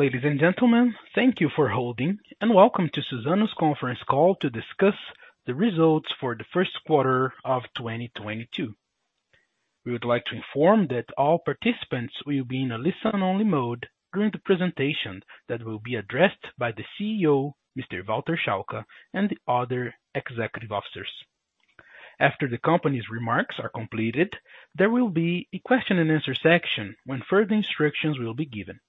Ladies and gentlemen, thank you for holding, and welcome to Suzano's conference call to discuss the results for the first quarter of 2022. We would like to inform that all participants will be in a listen-only mode during the presentation that will be addressed by the CEO, Mr. Walter Schalka, and the other executive officers. After the company's remarks are completed, there will be a question and answer section when further instructions will be given.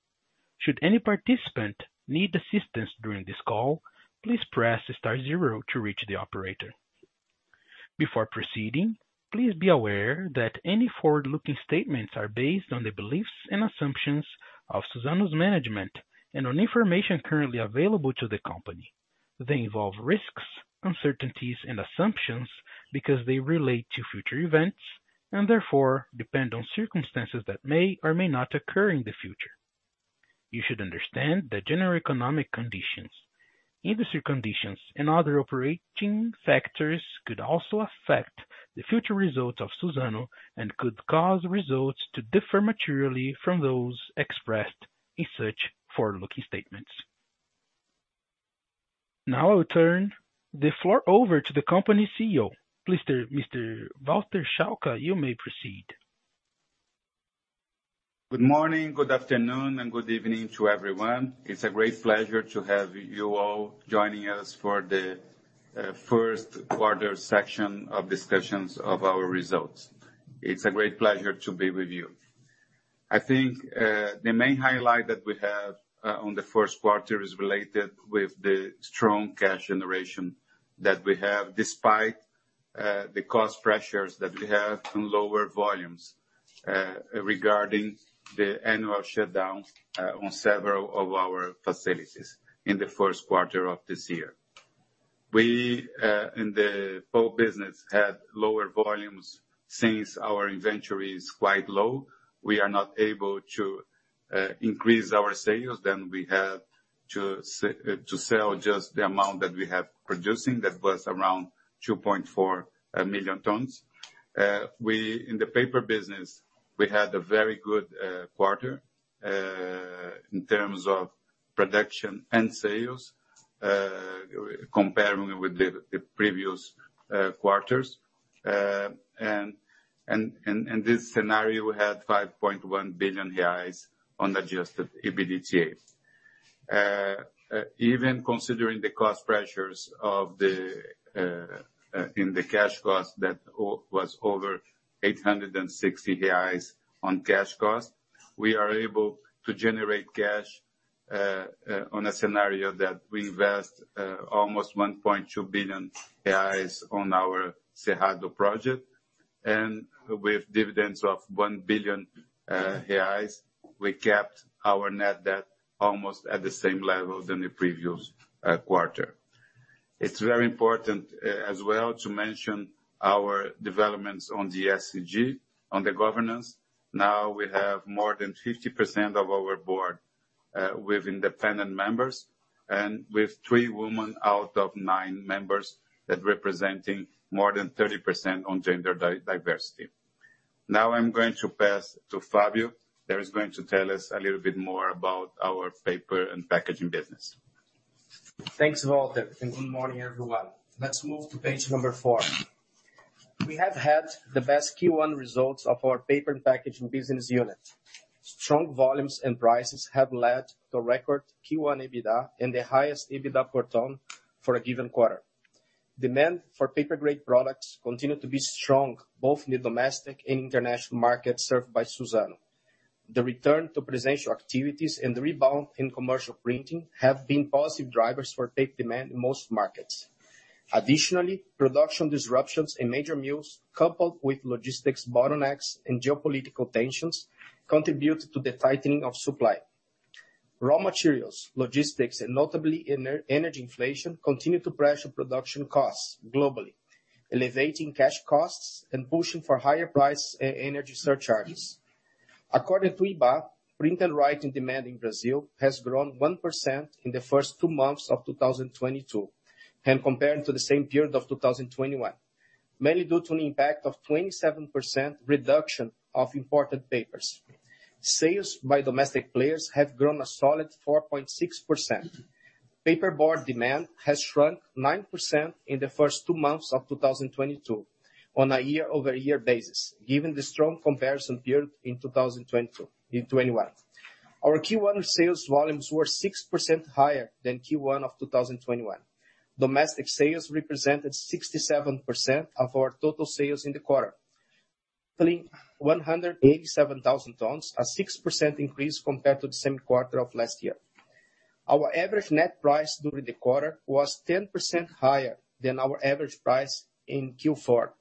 Should any participant need assistance during this call, please press star zero to reach the operator. Before proceeding, please be aware that any forward-looking statements are based on the beliefs and assumptions of Suzano's management and on information currently available to the company. They involve risks, uncertainties, and assumptions because they relate to future events and therefore depend on circumstances that may or may not occur in the future. You should understand that general economic conditions, industry conditions, and other operating factors could also affect the future results of Suzano and could cause results to differ materially from those expressed in such forward-looking statements. Now I will turn the floor over to the company's CEO. Please, Mr. Walter Schalka, you may proceed. Good morning, good afternoon, and good evening to everyone. It's a great pleasure to have you all joining us for the first quarter section of discussions of our results. It's a great pleasure to be with you. I think the main highlight that we have on the first quarter is related with the strong cash generation that we have despite the cost pressures that we have from lower volumes regarding the annual shutdown on several of our facilities in the first quarter of this year. We in the pulp business had lower volumes since our inventory is quite low. We are not able to increase our sales. We have to sell just the amount that we have producing. That was around 2.4 million tons. In the paper business, we had a very good quarter in terms of production and sales, comparing with the previous quarters. In this scenario, we had 5.1 billion reais on adjusted EBITDA. Even considering the cost pressures in the cash cost that was over 860 reais on cash cost, we are able to generate cash on a scenario that we invest almost 1.2 billion reais on our Cerrado project. With dividends of 1 billion reais, we kept our net debt almost at the same level than the previous quarter. It's very important as well to mention our developments on the ESG, on the governance. Now we have more than 50% of our board with independent members and with 3 women out of 9 members that representing more than 30% on gender diversity. Now I'm going to pass to Fabio that is going to tell us a little bit more about our paper and packaging business. Thanks, Walter, and good morning, everyone. Let's move to page 4. We have had the best Q1 results of our paper and packaging business unit. Strong volumes and prices have led to record Q1 EBITDA and the highest EBITDA per ton for a given quarter. Demand for paper-grade products continued to be strong, both in the domestic and international markets served by Suzano. The return to in-person activities and the rebound in commercial printing have been positive drivers for paper demand in most markets. Additionally, production disruptions in major mills, coupled with logistics bottlenecks and geopolitical tensions, contributed to the tightening of supply. Raw materials, logistics, and notably energy inflation continued to pressure production costs globally, elevating cash costs and pushing for higher price energy surcharges. According to IBGE, printing and writing demand in Brazil has grown 1% in the first two months of 2022 when compared to the same period of 2021, mainly due to an impact of 27% reduction of imported papers. Sales by domestic players have grown a solid 4.6%. Paperboard demand has shrunk 9% in the first two months of 2022 on a year-over-year basis, given the strong comparison period in 2021. Our Q1 sales volumes were 6% higher than Q1 of 2021. Domestic sales represented 67% of our total sales in the quarter, totaling 187,000 tons, a 6% increase compared to the same quarter of last year. Our average net price during the quarter was 10% higher than our average price in Q4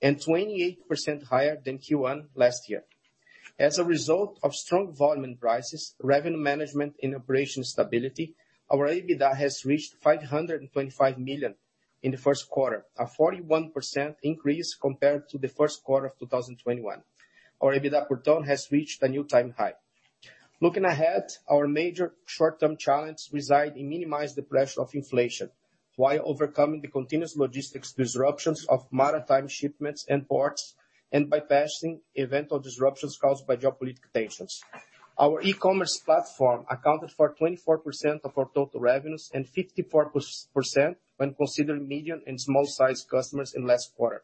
and 28% higher than Q1 last year. As a result of strong volume and prices, revenue management and operational stability, our EBITDA has reached 525 million in the first quarter, a 41% increase compared to the first quarter of 2021. Our EBITDA per ton has reached an all-time high. Looking ahead, our major short-term challenge resides in minimizing the pressure of inflation. While overcoming the continuous logistics disruptions of maritime shipments and ports, and bypassing eventual disruptions caused by geopolitical tensions. Our e-commerce platform accounted for 24% of our total revenues, and 54% when considering medium and small-sized customers in last quarter.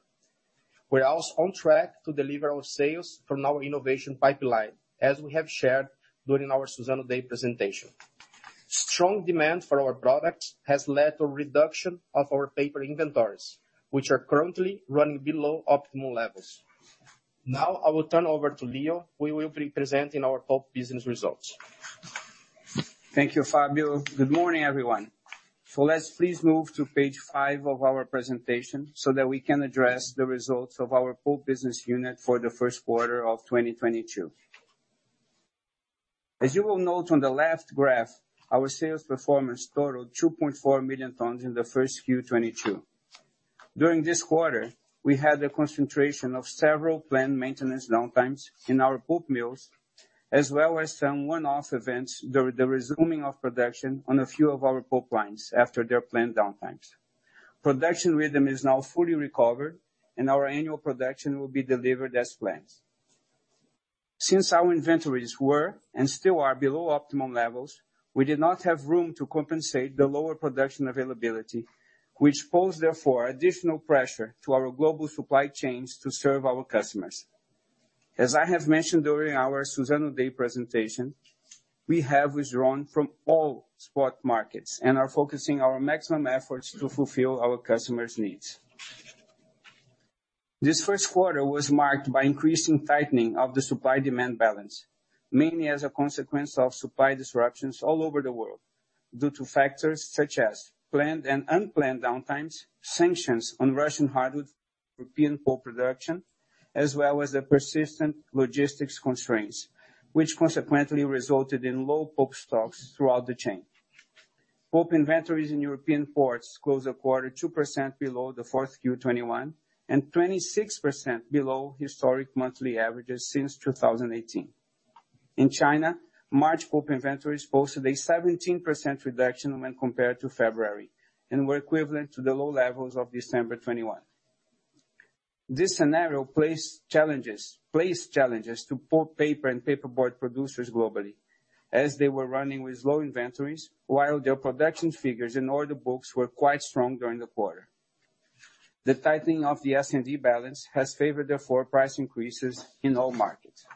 We're also on track to deliver our sales from our innovation pipeline, as we have shared during our Suzano Day presentation. Strong demand for our products has led to a reduction of our paper inventories, which are currently running below optimal levels. Now I will turn over to Leo, who will be presenting our pulp business results. Thank you, Fabio. Good morning, everyone. Let's please move to page five of our presentation so that we can address the results of our pulp business unit for the first quarter of 2022. As you will note on the left graph, our sales performance totaled 2.4 million tons in the first Q-2022. During this quarter, we had a concentration of several planned maintenance downtimes in our pulp mills, as well as some one-off events during the resuming of production on a few of our pulp lines after their planned downtimes. Production rhythm is now fully recovered, and our annual production will be delivered as planned. Since our inventories were and still are below optimum levels, we did not have room to compensate the lower production availability, which posed therefore additional pressure to our global supply chains to serve our customers. As I have mentioned during our Suzano Day presentation, we have withdrawn from all spot markets and are focusing our maximum efforts to fulfill our customers' needs. This first quarter was marked by increasing tightening of the supply-demand balance, mainly as a consequence of supply disruptions all over the world due to factors such as planned and unplanned downtimes, sanctions on Russian hardwood, European pulp production, as well as the persistent logistics constraints, which consequently resulted in low pulp stocks throughout the chain. Pulp inventories in European ports closed the quarter 2% below the fourth Q-2021, and 26% below historic monthly averages since 2018. In China, March pulp inventories posted a 17% reduction when compared to February, and were equivalent to the low levels of December 2021. This scenario placed challenges to pulp, paper, and paperboard producers globally as they were running with low inventories while their production figures and order books were quite strong during the quarter. The tightening of the S&D balance has favored therefore price increases in all markets.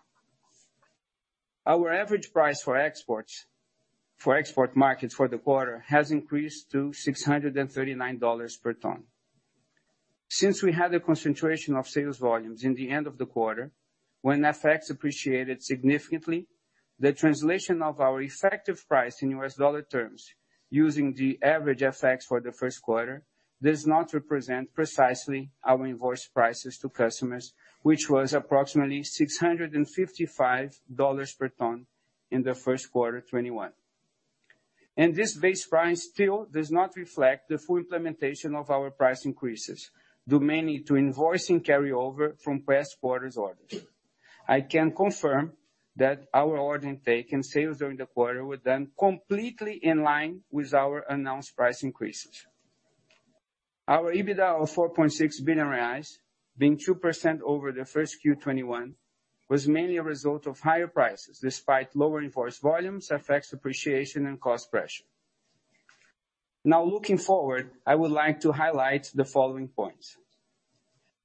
Our average price for export markets for the quarter has increased to $639 per ton. Since we had a concentration of sales volumes in the end of the quarter, when FX appreciated significantly, the translation of our effective price in U.S. dollar terms using the average FX for the first quarter does not represent precisely our invoice prices to customers, which was approximately $655 per ton in the first quarter 2021. This base price still does not reflect the full implementation of our price increases, due mainly to invoicing carryover from past quarters' orders. I can confirm that our order intake and sales during the quarter were done completely in line with our announced price increases. Our EBITDA of 4.6 billion reais, being 2% over the first Q1 2021, was mainly a result of higher prices despite lower invoice volumes, FX appreciation, and cost pressure. Now, looking forward, I would like to highlight the following points.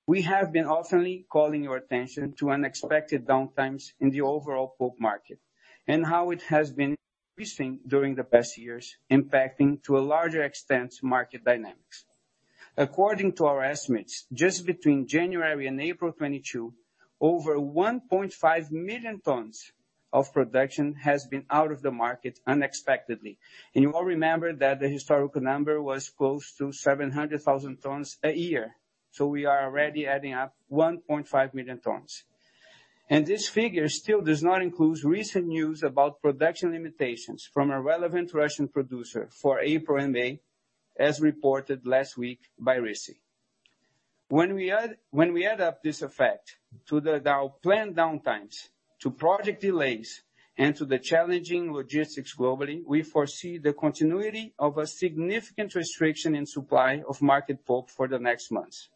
We have been often calling your attention to unexpected downtimes in the overall pulp market and how it has been increasing during the past years, impacting to a larger extent market dynamics. According to our estimates, just between January and April 2022, over 1.5 million tons of production has been out of the market unexpectedly. You all remember that the historical number was close to 700,000 tons a year. We are already adding up 1.5 million tons. This figure still does not include recent news about production limitations from a relevant Russian producer for April and May, as reported last week by RISI. When we add up this effect to the planned downtimes, to project delays, and to the challenging logistics globally, we foresee the continuity of a significant restriction in supply of market pulp for the next months.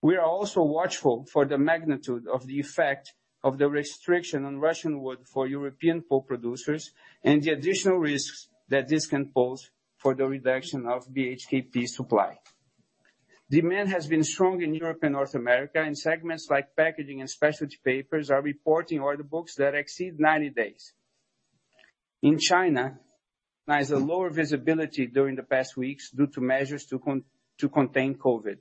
We are also watchful for the magnitude of the effect of the restriction on Russian wood for European pulp producers and the additional risks that this can pose for the reduction of BHKP supply. Demand has been strong in Europe and North America, and segments like packaging and specialty papers are reporting order books that exceed 90 days. In China, there's lower visibility during the past weeks due to measures to contain COVID.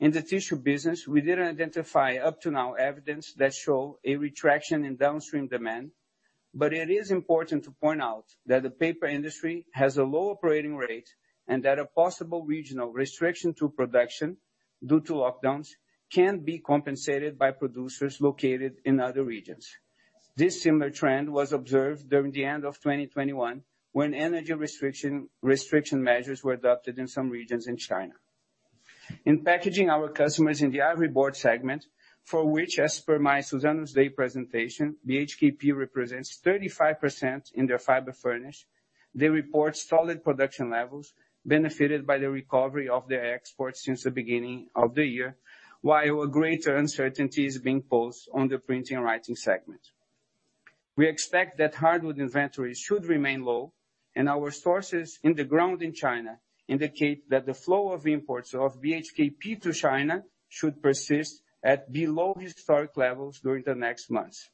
In the tissue business, we didn't identify up to now evidence that show a retraction in downstream demand, but it is important to point out that the paper industry has a low operating rate, and that a possible regional restriction to production due to lockdowns can be compensated by producers located in other regions. This similar trend was observed during the end of 2021, when energy restriction measures were adopted in some regions in China. In packaging, our customers in the ivory board segment, for which as per my Suzano Day presentation, the BHKP represents 35% in their fiber furnish. They report solid production levels benefited by the recovery of their exports since the beginning of the year, while a greater uncertainty is being posed on the printing and writing segment. We expect that hardwood inventories should remain low, and our sources on the ground in China indicate that the flow of imports of BHKP to China should persist at below historic levels during the next months.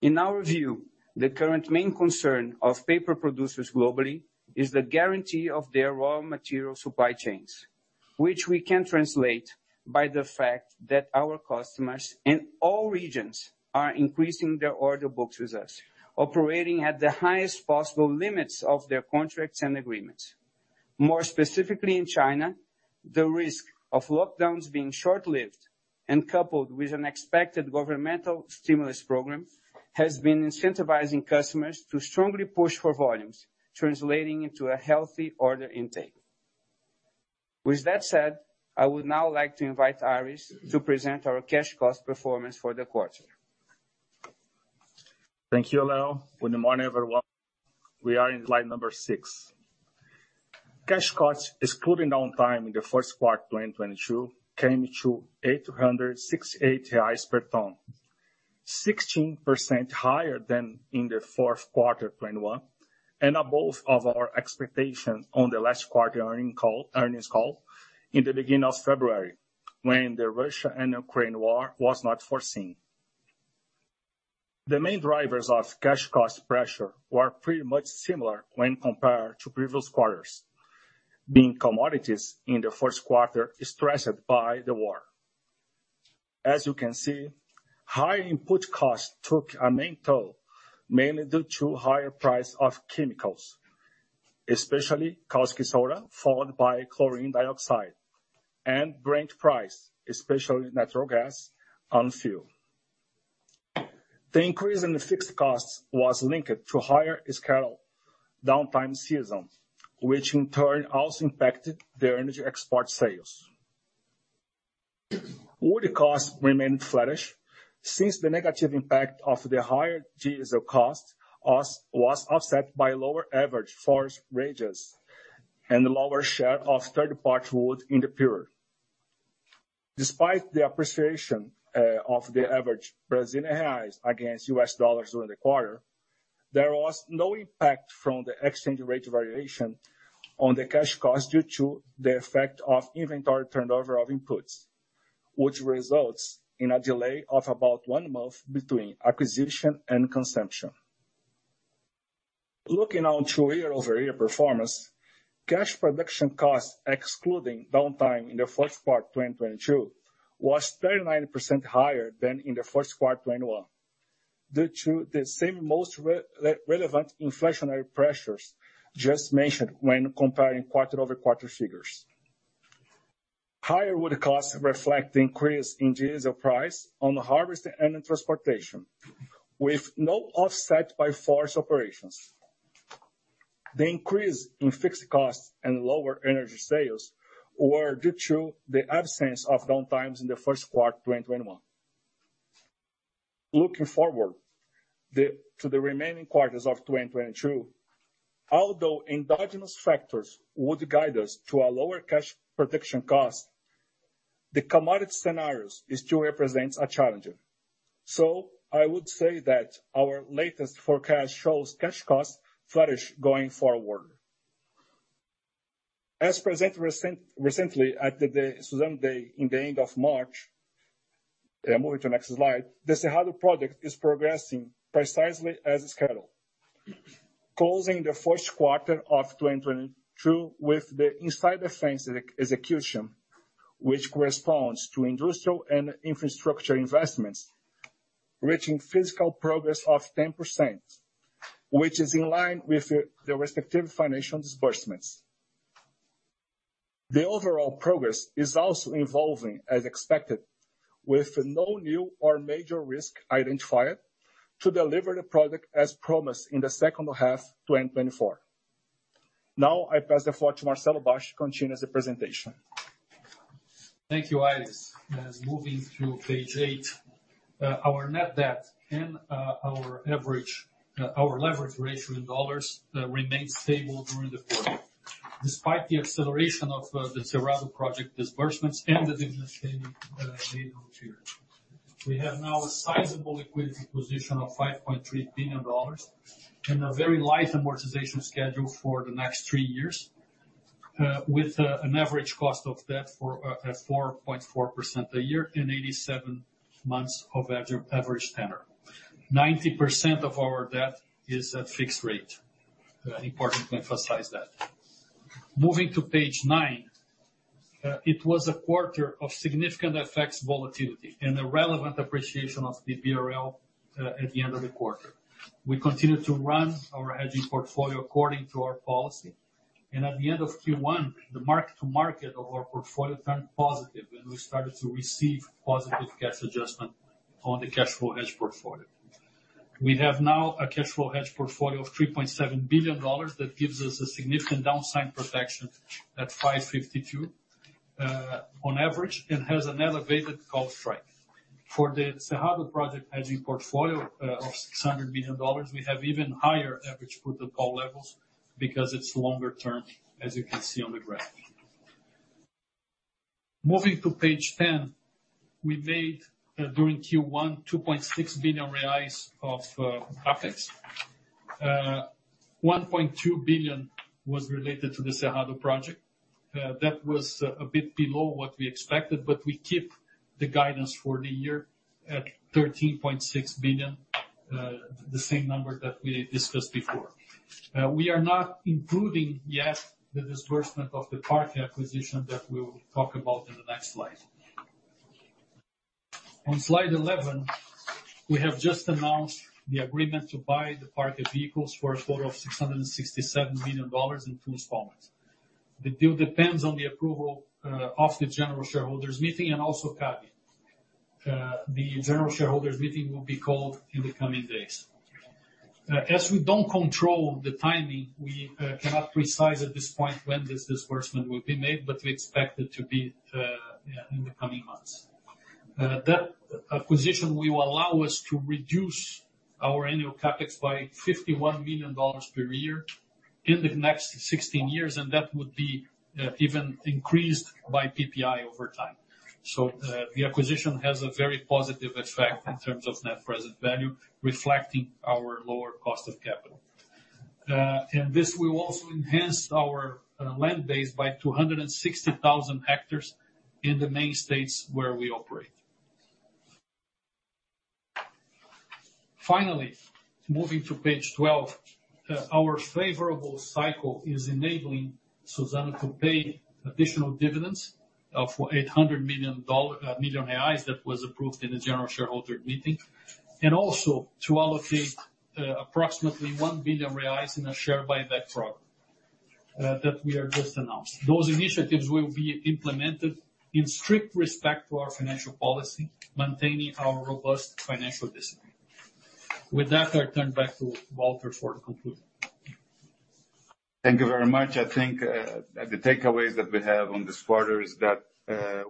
In our view, the current main concern of paper producers globally is the guarantee of their raw material supply chains, which we can translate by the fact that our customers in all regions are increasing their order books with us, operating at the highest possible limits of their contracts and agreements. More specifically in China, the risk of lockdowns being short-lived and coupled with an expected governmental stimulus program, has been incentivizing customers to strongly push for volumes, translating into a healthy order intake. With that said, I would now like to invite Aires to present our cash cost performance for the quarter. Thank you, Leo. Good morning, everyone. We are in slide number six. Cash costs, excluding downtime in the first quarter 2022, came to 868 reais per ton. 16% higher than in the fourth quarter 2021, and above our expectation on the last quarter earnings call in the beginning of February, when the Russia and Ukraine war was not foreseen. The main drivers of cash cost pressure were pretty much similar when compared to previous quarters, being commodities in the first quarter stressed by the war. As you can see, high input costs took a main toll, mainly due to higher price of chemicals, especially caustic soda, followed by chlorine dioxide and energy price, especially natural gas and fuel. The increase in the fixed costs was linked to higher schedule downtime season, which in turn also impacted their energy export sales. Wood costs remained flatish since the negative impact of the higher diesel cost was offset by lower average forest radii and a lower share of third-party wood in the period. Despite the appreciation of the average Brazilian real against U.S. dollars during the quarter, there was no impact from the exchange rate variation on the cash cost due to the effect of inventory turnover of inputs, which results in a delay of about one month between acquisition and consumption. Looking on to year-over-year performance, cash production costs excluding downtime in the first quarter 2022 was 39% higher than in the first quarter 2021, due to the same most relevant inflationary pressures just mentioned when comparing quarter-over-quarter figures. Higher wood costs reflect the increase in diesel price on the harvest and in transportation, with no offset by forest operations. The increase in fixed costs and lower energy sales were due to the absence of downtimes in the first quarter 2021. Looking forward to the remaining quarters of 2022, although endogenous factors would guide us to a lower cash protection cost, the commodity scenario still represents a challenge. I would say that our latest forecast shows cash costs flattish going forward. As presented recently at the Suzano Day at the end of March, moving to the next slide. The Cerrado project is progressing precisely as scheduled. Closing the first quarter of 2022 with the inside the fence execution, which corresponds to industrial and infrastructure investments, reaching physical progress of 10%, which is in line with the respective financial disbursements. The overall progress is also evolving as expected, with no new or major risk identified to deliver the project as promised in the second half 2024. Now I pass the floor to Marcelo Bacci to continue the presentation. Thank you, Aires. Now moving to page eight, our net debt and our leverage ratio in dollars remains stable during the quarter, despite the acceleration of the Cerrado project disbursements and the business payment made earlier. We have now a sizable liquidity position of $5.3 billion and a very light amortization schedule for the next three years, with an average cost of debt at 4.4% a year and 87 months of average tenor. 90% of our debt is at fixed rate. Important to emphasize that. Moving to page nine, it was a quarter of significant FX volatility and a relevant appreciation of the BRL at the end of the quarter. We continued to run our hedging portfolio according to our policy, and at the end of Q1, the mark-to-market of our portfolio turned positive, and we started to receive positive cash adjustment on the cash flow hedge portfolio. We have now a cash flow hedge portfolio of $3.7 billion that gives us a significant downside protection at 552 on average and has an elevated call strike. For the Cerrado project hedging portfolio of $600 million, we have even higher average put and call levels because it's longer term, as you can see on the graph. Moving to page 10. We made during Q1, 2.6 billion reais of CapEx. 1.2 billion was related to the Cerrado project. That was a bit below what we expected, but we keep the guidance for the year at 13.6 billion, the same number that we discussed before. We are not including yet the disbursement of the Parkia acquisition that we'll talk about in the next slide. On slide 11, we have just announced the agreement to buy the Parkia Participações for a total of $667 million in two installments. The deal depends on the approval of the general shareholders meeting and also CADE. The general shareholders meeting will be called in the coming days. As we don't control the timing, we cannot predict at this point when this disbursement will be made, but we expect it to be in the coming months. That acquisition will allow us to reduce our annual CapEx by $51 million per year in the next 16 years, and that would be even increased by PPI over time. The acquisition has a very positive effect in terms of net present value, reflecting our lower cost of capital. This will also enhance our land base by 260,000 hectares in the main states where we operate. Finally, moving to page 12, our favorable cycle is enabling Suzano to pay additional dividends of BRL 800 million that was approved in the general shareholder meeting, also to allocate approximately 1 billion reais in a share buyback program that we just announced. Those initiatives will be implemented in strict respect to our financial policy, maintaining our robust financial discipline. With that, I turn back to Walter for conclusion. Thank you very much. I think the takeaways that we have on this quarter is that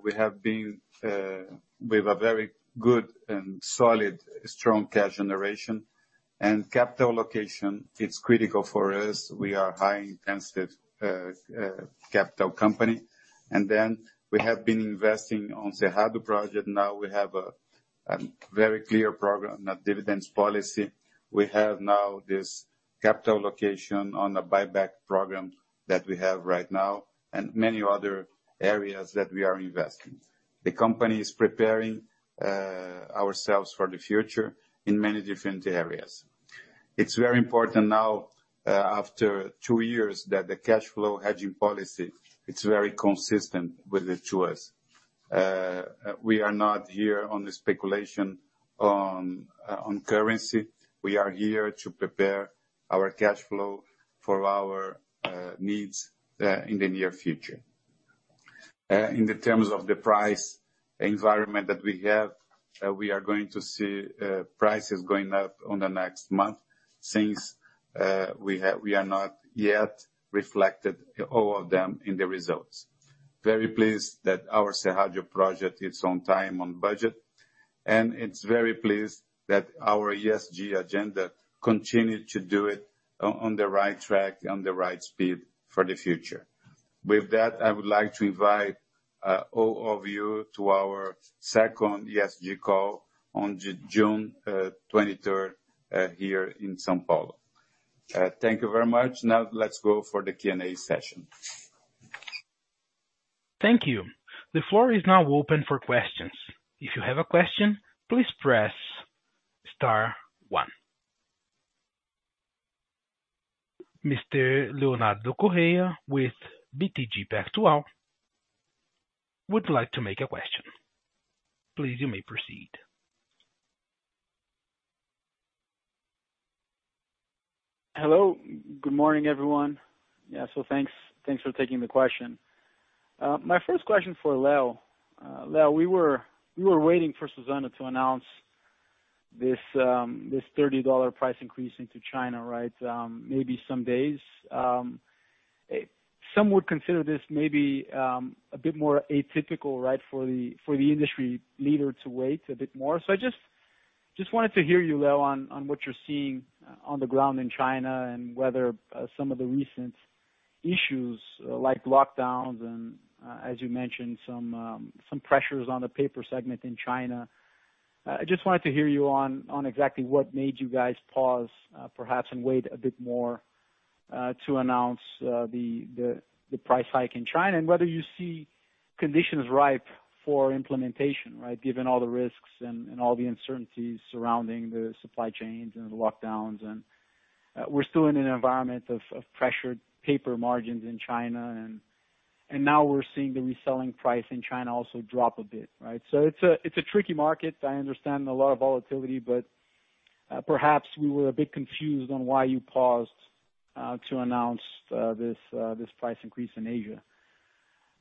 we have been with a very good and solid strong cash generation. Capital allocation, it's critical for us. We are capital intensive company. We have been investing in Cerrado project. Now we have a very clear program, a dividend policy. We have now this capital allocation on a buyback program that we have right now and many other areas that we are investing. The company is preparing ourselves for the future in many different areas. It's very important now after two years that the cash flow hedge policy, it's very consistent with the choice. We are not here for the speculation on currency. We are here to prepare our cash flow for our needs in the near future. In terms of the price environment that we have, we are going to see prices going up in the next month since we have not yet reflected all of them in the results. Very pleased that our Cerrado project is on time, on budget, and very pleased that our ESG agenda continued on the right track, on the right speed for the future. With that, I would like to invite all of you to our second ESG call on June twenty-third here in São Paulo. Thank you very much. Now, let's go for the Q&A session. Thank you. The floor is now open for questions. If you have a question, please press star one. Mr. Leonardo Correa with BTG Pactual would like to make a question. Please, you may proceed. Hello. Good morning, everyone. Yeah. Thanks for taking the question. My first question is for Leo. Leo, we were waiting for Suzano to announce this $30 price increase into China, right? Maybe some days. Some would consider this maybe a bit more atypical, right, for the industry leader to wait a bit more. I just wanted to hear you, Leo, on what you're seeing on the ground in China and whether some of the recent issues like lockdowns and, as you mentioned, some pressures on the paper segment in China. I just wanted to hear you on exactly what made you guys pause, perhaps and wait a bit more, to announce, the price hike in China and whether you see conditions ripe for implementation, right, given all the risks and all the uncertainties surrounding the supply chains and the lockdowns. We're still in an environment of pressured paper margins in China and now we're seeing the reselling price in China also drop a bit, right? It's a tricky market. I understand a lot of volatility, but perhaps we were a bit confused on why you paused, to announce, this price increase in Asia.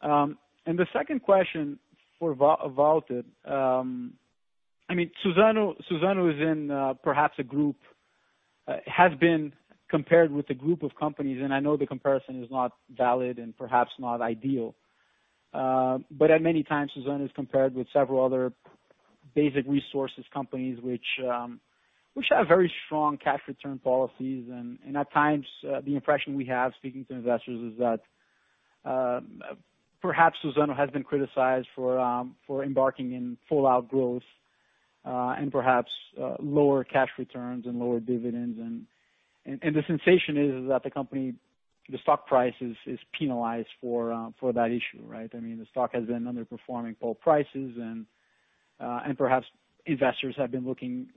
The second question for Walter. I mean, Suzano has been compared with a group of companies, and I know the comparison is not valid and perhaps not ideal. But at many times, Suzano is compared with several other basic resources companies which have very strong cash return policies. And at times, the impression we have speaking to investors is that perhaps Suzano has been criticized for embarking in full out growth, and perhaps lower cash returns and lower dividends. And the sensation is that the company, the stock price is penalized for that issue, right? I mean, the stock has been underperforming pulp prices, and perhaps investors have been looking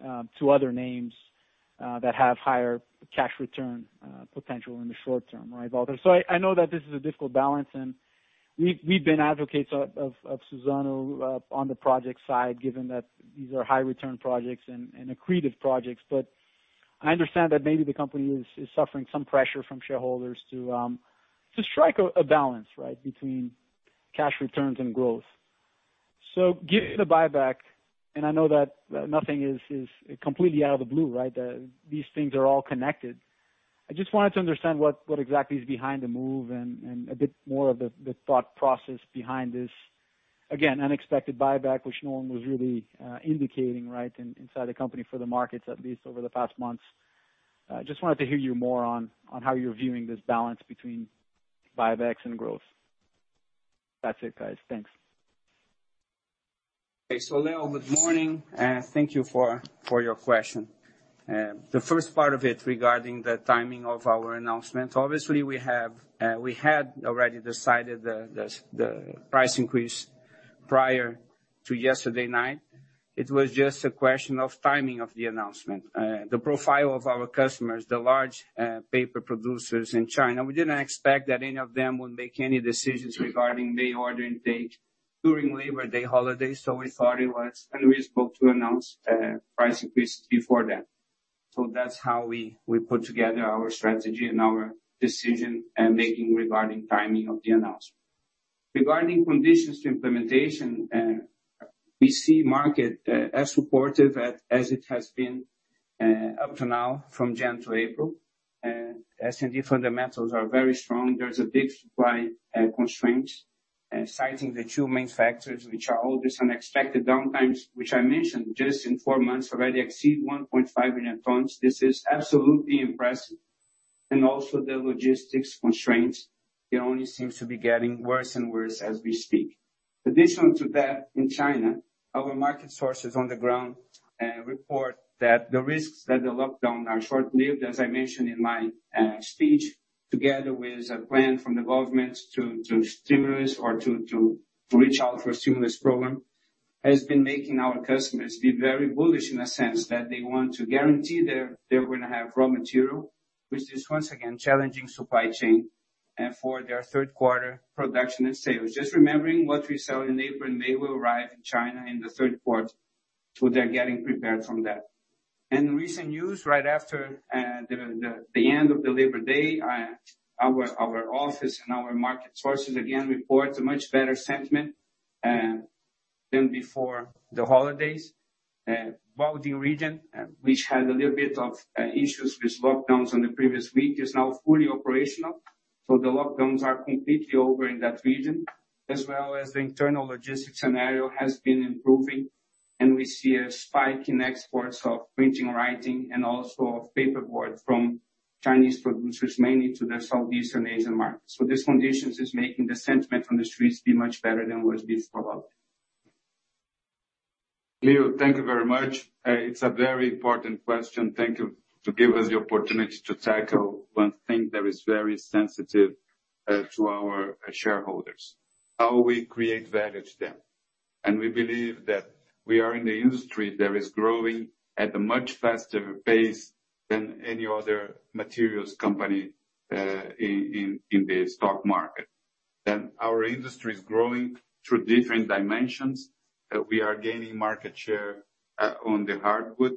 to other names that have higher cash return potential in the short term, right, Walter? I know that this is a difficult balance, and we've been advocates of Suzano on the project side, given that these are high return projects and accretive projects. But I understand that maybe the company is suffering some pressure from shareholders to strike a balance, right, between cash returns and growth. Given the buyback, and I know that nothing is completely out of the blue, right? These things are all connected. I just wanted to understand what exactly is behind the move and a bit more of the thought process behind this, again, unexpected buyback, which no one was really indicating right inside the company for the markets, at least over the past months. I just wanted to hear you more on how you're viewing this balance between buybacks and growth. That's it, guys. Thanks. Okay. Leo, good morning, and thank you for your question. The first part of it regarding the timing of our announcement. Obviously, we had already decided the price increase prior to yesterday night. It was just a question of timing of the announcement. The profile of our customers, the large paper producers in China, we didn't expect that any of them would make any decisions regarding the ordering date during Labor Day holiday. We thought it was unreasonable to announce price increase before that. That's how we put together our strategy and our decision making regarding timing of the announcement. Regarding conditions to implementation, we see market as supportive, as it has been up to now from Jan to April. S&D fundamentals are very strong. There's a big supply constraint, citing the two main factors, which are all these unexpected downtimes, which I mentioned just in four months, already exceed 1.5 million tons. This is absolutely impressive. Also the logistics constraints, it only seems to be getting worse and worse as we speak. Additional to that, in China, our market sources on the ground report that the risks that the lockdown are short-lived, as I mentioned in my speech, together with a plan from the government to stimulus or to reach out for a stimulus program, has been making our customers be very bullish in a sense that they want to guarantee they're gonna have raw material, which is once again challenging supply chain for their third quarter production and sales. Just remembering what we sell in April and May will arrive in China in the third quarter, so they're getting prepared from that. Recent news right after the end of the Labor Day, our office and our market sources again report a much better sentiment than before the holidays. Weifang region, which had a little bit of issues with lockdowns on the previous week, is now fully operational. The lockdowns are completely over in that region, as well as the internal logistics scenario has been improving and we see a spike in exports of printing, writing and also of paperboard from Chinese producers, mainly to the Southeast Asian markets. These conditions are making the sentiment from the streets be much better than what it's been for a while. Leo, thank you very much. It's a very important question. Thank you to give us the opportunity to tackle one thing that is very sensitive to our shareholders, how we create value to them. We believe that we are in the industry that is growing at a much faster pace than any other materials company in the stock market. Our industry is growing through different dimensions. We are gaining market share on the hardwood.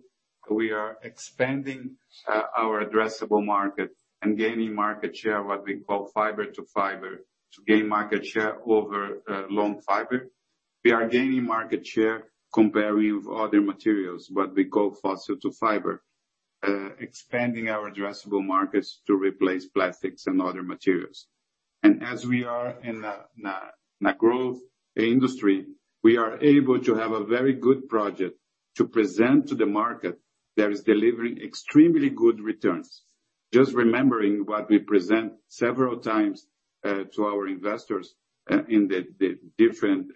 We are expanding our addressable market and gaining market share, what we call fiber to fiber, to gain market share over long fiber. We are gaining market share comparing with other materials, what we call fossil to fiber, expanding our addressable markets to replace plastics and other materials. As we are in a growth industry, we are able to have a very good project to present to the market that is delivering extremely good returns. Just remembering what we present several times to our investors in the different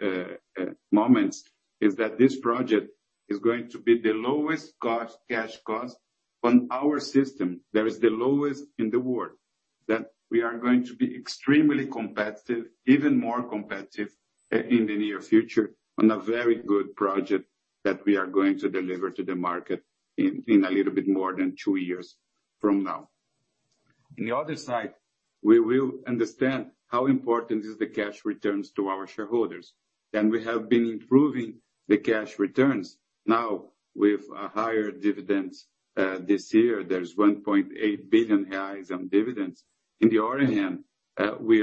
moments, is that this project is going to be the lowest cost, cash cost on our system. That is the lowest in the world. That we are going to be extremely competitive, even more competitive in the near future on a very good project that we are going to deliver to the market in a little bit more than two years from now. On the other side, we will understand how important is the cash returns to our shareholders. We have been improving the cash returns. Now, with a higher dividends this year, there's 1.8 billion reais on dividends. On the other hand, we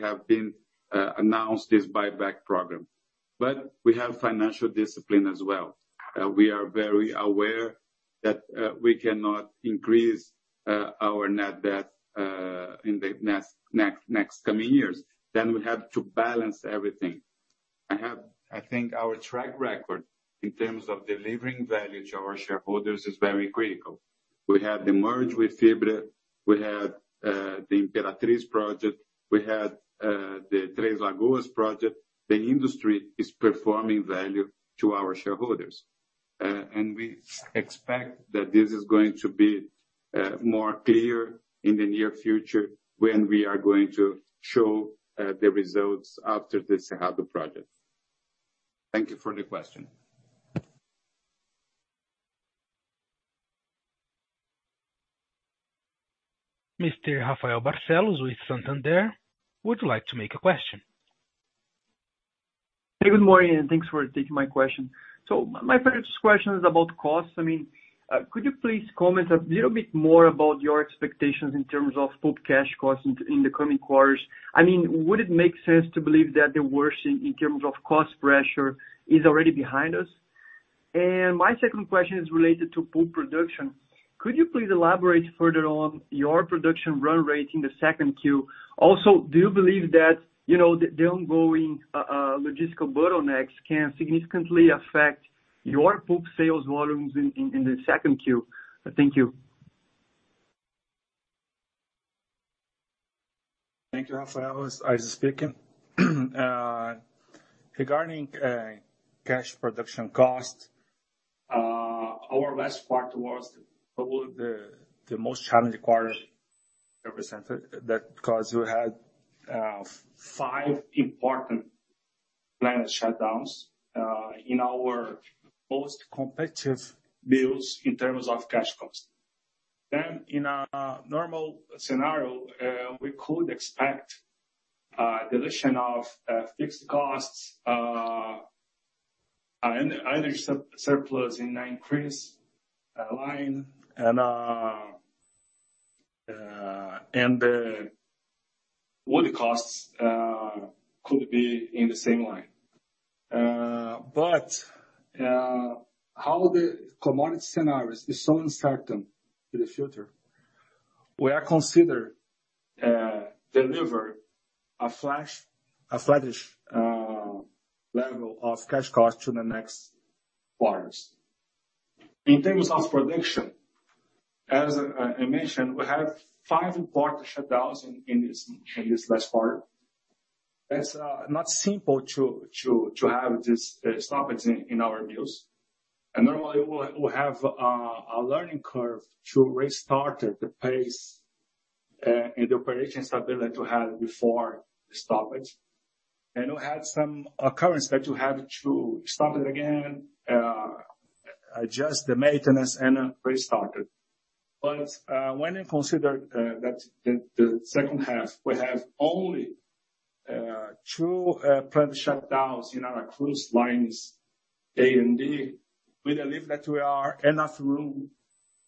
have announced this buyback program. We have financial discipline as well. We are very aware that we cannot increase our net debt in the next coming years. We have to balance everything. I think our track record in terms of delivering value to our shareholders is very critical. We have the merger with Fibria. We have the Imperatriz project. We have the Três Lagoas project. We are delivering value to our shareholders. We expect that this is going to be more clear in the near future when we are going to show the results after the Cerrado project. Thank you for the question. Mr. Rafael Barcellos with Santander would like to ask a question. Hey, good morning, and thanks for taking my question. My first question is about costs. I mean, could you please comment a little bit more about your expectations in terms of pulp cash costs in the coming quarters? I mean, would it make sense to believe that the worst in terms of cost pressure is already behind us? My second question is related to pulp production. Could you please elaborate further on your production run rate in the second Q? Also, do you believe that, you know, the ongoing logistical bottlenecks can significantly affect your pulp sales volumes in the second Q? Thank you. Thank you, Rafael. It's Aires speaking. Regarding cash production cost, our last quarter was probably the most challenging quarter ever in terms of cost. We had five important planned shutdowns in our most competitive mills in terms of cash costs. In a normal scenario, we could expect dilution of fixed costs, and the increase in wood costs could be in the same line. How the commodity scenario is so uncertain for the future, we are considering delivering a flattish level of cash cost to the next quarters. In terms of production, as I mentioned, we have five important shutdowns in this last quarter. That's not simple to have this stoppage in our mills. Normally we'll have a learning curve to restart the pace and the operation stability to have before the stoppage. We had some occurrence that you have to stop it again, adjust the maintenance and restart it. When you consider that the second half, we have only two planned shutdowns in our Mucuri lines A and D, we believe that we have enough room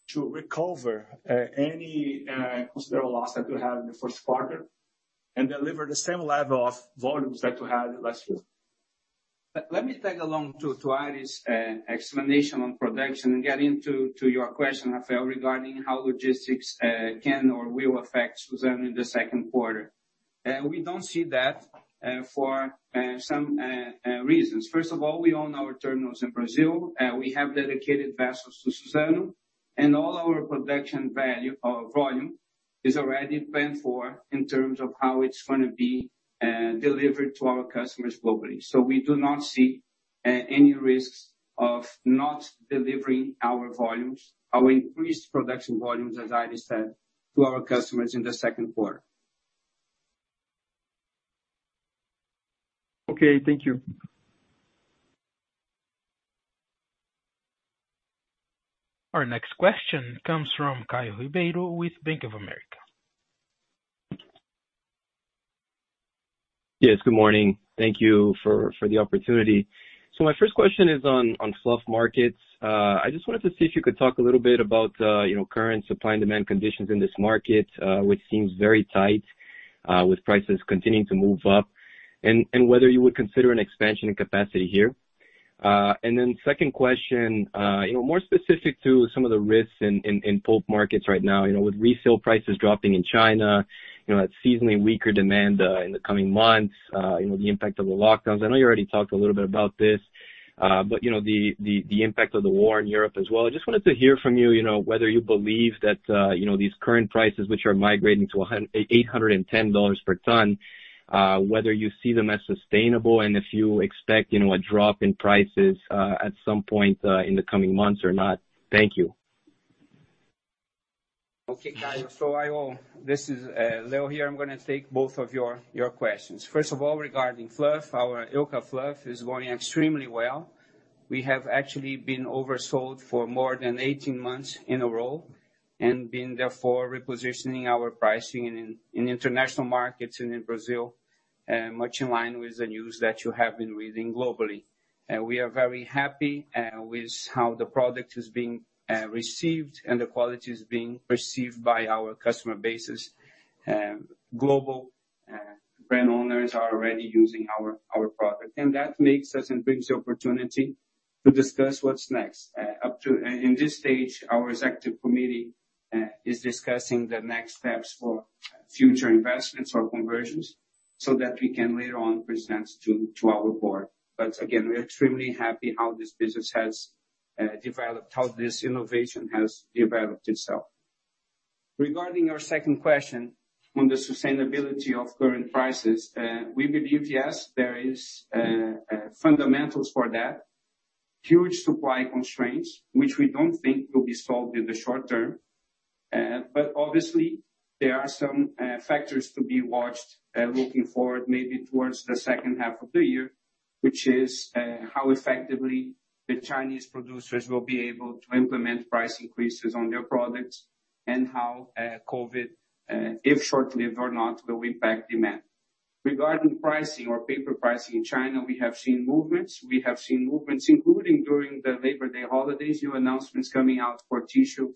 to recover any considerable loss that we have in the first quarter and deliver the same level of volumes that we had last year. Let me tag along to Aires explanation on production and get into your question, Rafael, regarding how logistics can or will affect Suzano in the second quarter. We don't see that for some reasons. First of all, we own our terminals in Brazil. We have dedicated vessels to Suzano. All our production value, or volume, is already planned for in terms of how it's gonna be delivered to our customers globally. We do not see any risks of not delivering our volumes, our increased production volumes, as Aires said, to our customers in the second quarter. Okay. Thank you. Our next question comes from Caio Ribeiro with Bank of America. Yes, good morning. Thank you for the opportunity. My first question is on fluff markets. I just wanted to see if you could talk a little bit about, you know, current supply and demand conditions in this market, which seems very tight, with prices continuing to move up, and whether you would consider an expansion in capacity here. My second question is more specific to some of the risks in pulp markets right now. You know, with resale prices dropping in China, you know, a seasonally weaker demand in the coming months, you know, the impact of the lockdowns. I know you already talked a little bit about this, but you know, the impact of the war in Europe as well. I just wanted to hear from you know, whether you believe that, you know, these current prices, which are migrating to $810 per ton, whether you see them as sustainable and if you expect, you know, a drop in prices, at some point, in the coming months or not. Thank you. Okay, Caio. This is Leo here. I'm gonna take both of your questions. First of all, regarding fluff, our Eucafluff is going extremely well. We have actually been oversold for more than 18 months in a row and been therefore repositioning our pricing in international markets and in Brazil, much in line with the news that you have been reading globally. We are very happy with how the product is being received and the quality is being perceived by our customer bases. Global brand owners are already using our product, and that makes us and brings the opportunity to discuss what's next. In this stage, our executive committee is discussing the next steps for future investments or conversions so that we can later on present to our board. We are extremely happy how this business has developed, how this innovation has developed itself. Regarding your second question on the sustainability of current prices, we believe, yes, there is fundamentals for that. Huge supply constraints, which we don't think will be solved in the short term. Obviously there are some factors to be watched looking forward maybe towards the second half of the year, which is how effectively the Chinese producers will be able to implement price increases on their products and how COVID, if short-lived or not, will impact demand. Regarding pricing or paper pricing in China, we have seen movements. We have seen movements including during the Labor Day holidays, new announcements coming out for tissue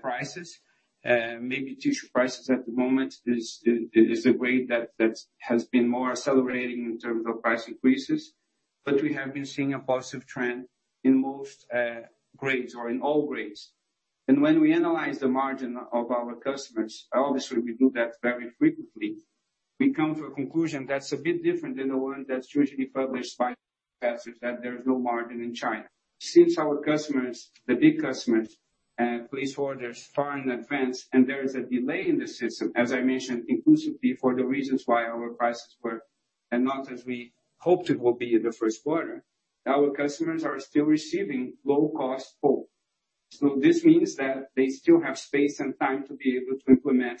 prices. Maybe tissue prices at the moment is a way that has been more accelerating in terms of price increases. We have been seeing a positive trend in most grades or in all grades. When we analyze the margin of our customers, obviously we do that very frequently, we come to a conclusion that's a bit different than the one that's usually published by investors that there is no margin in China. Since our customers, the big customers, place orders far in advance and there is a delay in the system, as I mentioned inclusively for the reasons why our prices were not as we hoped it will be in the first quarter, our customers are still receiving low cost pulp. This means that they still have space and time to be able to implement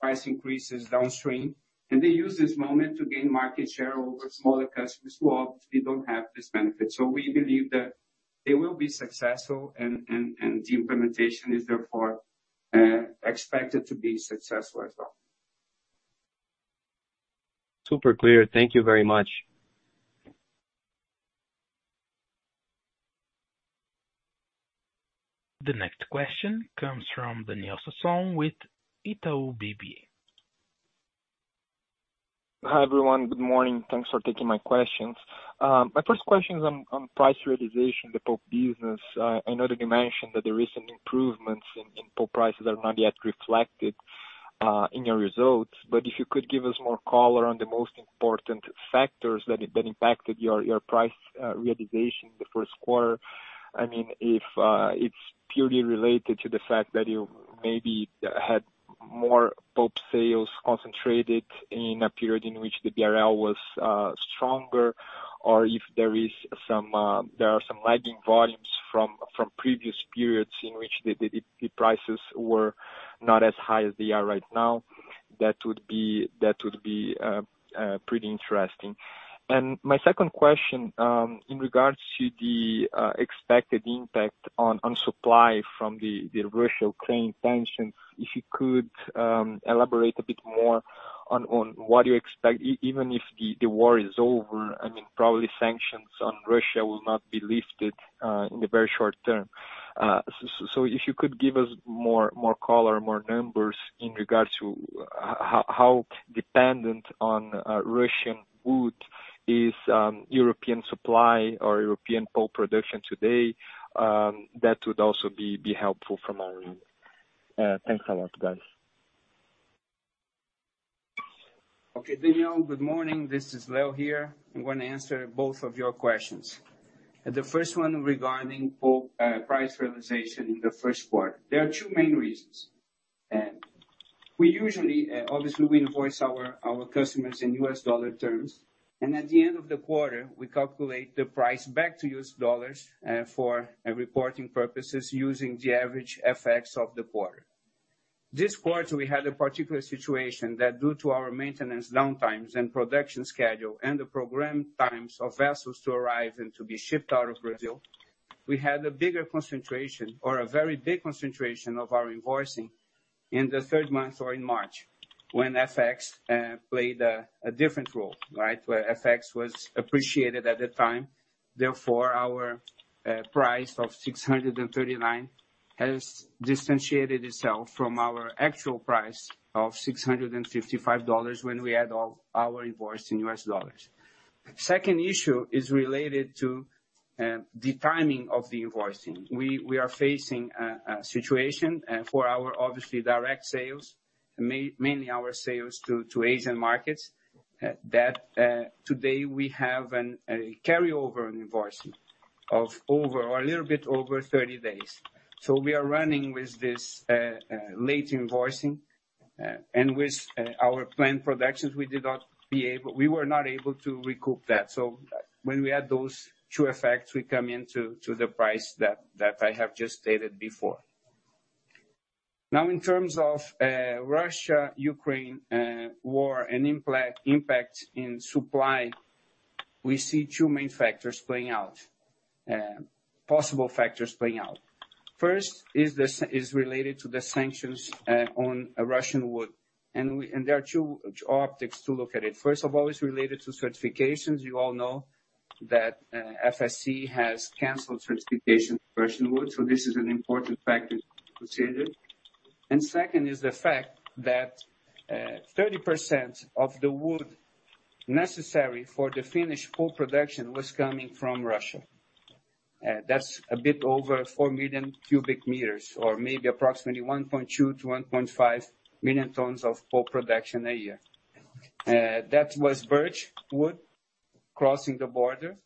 price increases downstream, and they use this moment to gain market share over smaller customers who obviously don't have this benefit. We believe that they will be successful and the implementation is therefore expected to be successful as well. Super clear. Thank you very much. The next question comes from Daniel Sasson with Itaú BBA. Hi, everyone. Good morning. Thanks for taking my questions. My first question is on price realization, the pulp business. I know that you mentioned that the recent improvements in pulp prices are not yet reflected in your results, but if you could give us more color on the most important factors that impacted your price realization in the first quarter. I mean, if it's purely related to the fact that you maybe had more pulp sales concentrated in a period in which the BRL was stronger, or if there are some lagging volumes from previous periods in which the prices were not as high as they are right now, that would be pretty interesting. My second question, in regards to the expected impact on supply from the Russia-Ukraine tension, if you could elaborate a bit more on what you expect even if the war is over, I mean, probably sanctions on Russia will not be lifted in the very short term. So if you could give us more color, more numbers in regards to how dependent on Russian wood is European supply or European pulp production today, that would also be helpful from our end. Thanks a lot, guys. Okay, Daniel, good morning. This is Leo here. I'm gonna answer both of your questions. The first one regarding pulp price realization in the first quarter. There are two main reasons. We usually obviously we invoice our customers in US dollar terms, and at the end of the quarter, we calculate the price back to US dollars for reporting purposes using the average FX of the quarter. This quarter, we had a particular situation that due to our maintenance downtimes and production schedule and the programmed times of vessels to arrive and to be shipped out of Brazil, we had a bigger concentration or a very big concentration of our invoicing in the third month or in March when FX played a different role, right? Where FX was appreciated at the time. Therefore, our price of 639 has differentiated itself from our actual price of $655 when we add all our invoices in US dollars. Second issue is related to the timing of the invoicing. We are facing a situation for our obviously direct sales, mainly our sales to Asian markets, that today we have a carryover invoicing of over or a little bit over 30 days. So we are running with this late invoicing, and with our planned productions, we were not able to recoup that. So when we add those two effects, we come to the price that I have just stated before. Now in terms of Russia-Ukraine war and impact in supply, we see two main factors playing out. Possible factors playing out. First is this related to the sanctions on Russian wood. There are two optics to look at it. First of all, it's related to certifications. You all know that FSC has canceled certification of Russian wood, so this is an important factor to consider. Second is the fact that 30% of the wood necessary for the Finnish pulp production was coming from Russia. That's a bit over 4 million cubic meters, or maybe approximately 1.2-1.5 million tons of pulp production a year. That was birch wood crossing the border,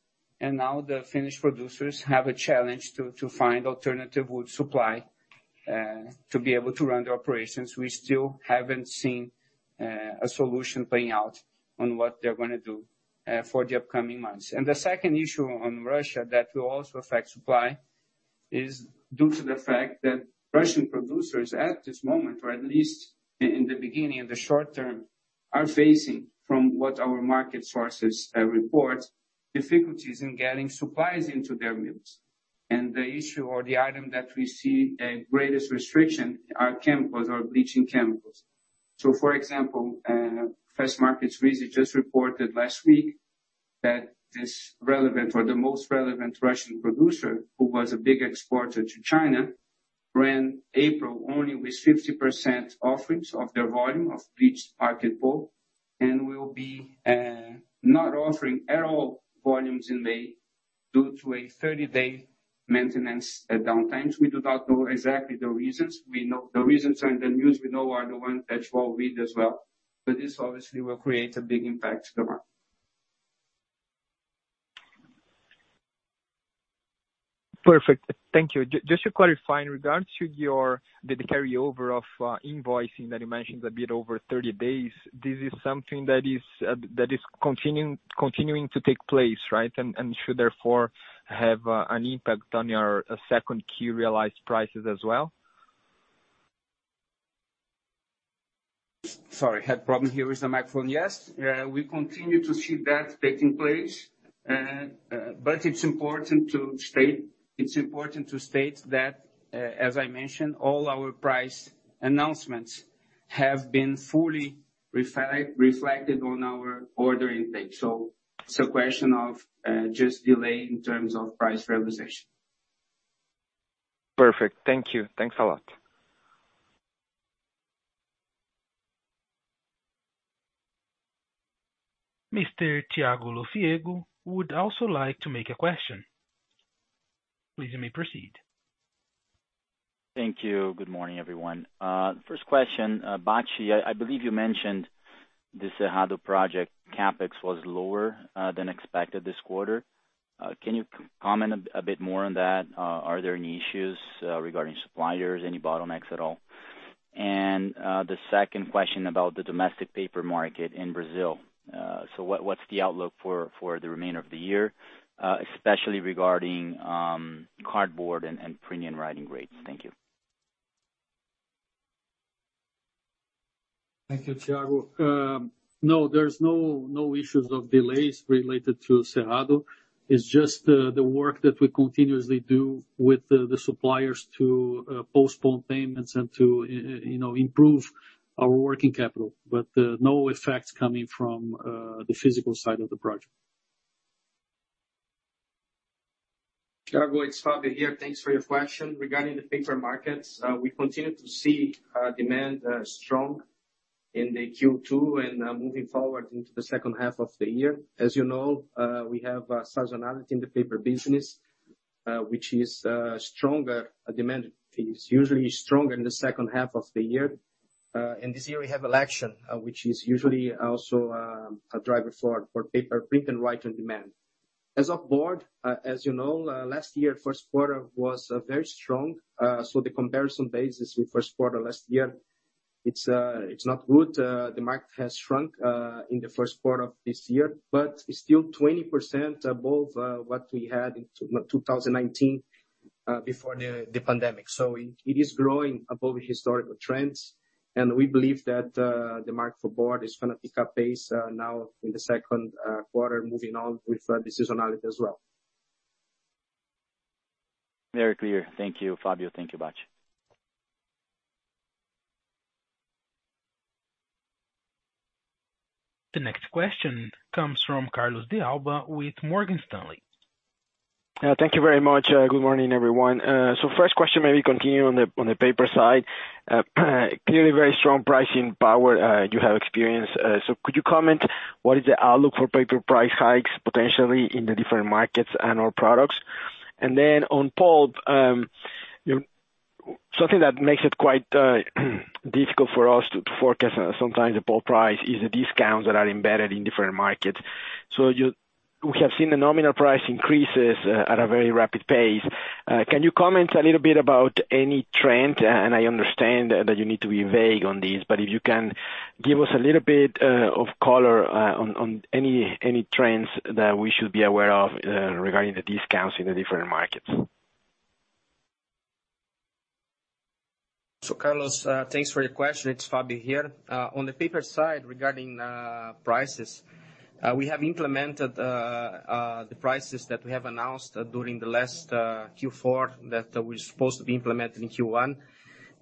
and now the Finnish producers have a challenge to find alternative wood supply to be able to run their operations. We still haven't seen a solution playing out on what they're gonna do for the upcoming months. The second issue on Russia that will also affect supply is due to the fact that Russian producers at this moment, or at least in the beginning, in the short term, are facing, from what our market sources report, difficulties in getting supplies into their mills. The issue or the item that we see the greatest restriction are chemicals or bleaching chemicals. For example, Fastmarkets research just reported last week that this relevant or the most relevant Russian producer, who was a big exporter to China, ran April only with 50% offerings of their volume of bleached market pulp, and will be not offering at all volumes in May due to a 30-day maintenance downtimes. We do not know exactly the reasons. We know the reasons are in the news are the ones that you all read as well. This obviously will create a big impact to the market. Perfect. Thank you. Just to clarify, in regards to your the carryover of invoicing that you mentioned a bit over 30 days, this is something that is continuing to take place, right? Should therefore have an impact on your Q2 realized prices as well. Sorry, had problem here with the microphone. Yes. We continue to see that taking place. It's important to state that, as I mentioned, all our price announcements have been fully reflected on our ordering page. It's a question of just delay in terms of price realization. Perfect. Thank you. Thanks a lot. Mr. Thiago Lofiego would also like to make a question. Please, you may proceed. Thank you. Good morning, everyone. First question, Bacci, I believe you mentioned the Cerrado project CapEx was lower than expected this quarter. Can you comment a bit more on that? Are there any issues regarding suppliers? Any bottlenecks at all? The second question about the domestic paper market in Brazil. So what's the outlook for the remainder of the year, especially regarding cardboard and premium writing grades? Thank you. Thank you, Thiago. No, there's no issues of delays related to Cerrado. It's just the work that we continuously do with the suppliers to postpone payments and to, you know, improve our working capital. No effects coming from the physical side of the project. Thiago, it's Fabio here. Thanks for your question. Regarding the paper markets, we continue to see demand strong in the Q2 and moving forward into the second half of the year. As you know, we have seasonality in the paper business, which is stronger. Demand is usually stronger in the second half of the year. This year we have election, which is usually also a driver for paper, printing and writing demand. As for board, as you know, last year first quarter was very strong. So the comparison basis with first quarter last year, it's not good. The market has shrunk in the first quarter of this year, but it's still 20% above what we had in 2019 before the pandemic. It is growing above historical trends, and we believe that the market for board is gonna pick up pace now in the second quarter, moving on with the seasonality as well. Very clear. Thank you, Fabio. Thank you, Bacci. The next question comes from Carlos de Alba with Morgan Stanley. Thank you very much. Good morning, everyone. First question, maybe continue on the paper side. Clearly very strong pricing power you have experienced. Could you comment what is the outlook for paper price hikes potentially in the different markets and/or products? Then on pulp, something that makes it quite difficult for us to forecast sometimes the pulp price is the discounts that are embedded in different markets. We have seen the nominal price increases at a very rapid pace. Can you comment a little bit about any trend? I understand that you need to be vague on these, but if you can give us a little bit of color on any trends that we should be aware of regarding the discounts in the different markets. Carlos de Alba, thanks for your question. It's Fabio Oliveira here. On the paper side, regarding prices, we have implemented the prices that we have announced during the last Q4 that was supposed to be implemented in Q1.